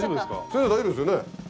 先生大丈夫ですよね？